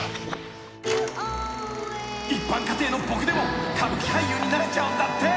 ［一般家庭の僕でも歌舞伎俳優になれちゃうんだって］